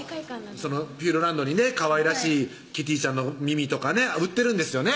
ピューロランドにねかわいらしいキティちゃんの耳とか売ってるんですよね